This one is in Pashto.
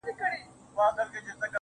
درومم چي له ښاره روانـــــېـــږمــــه